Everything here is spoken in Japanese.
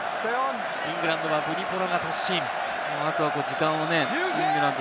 イングランドはヴニポラが突進。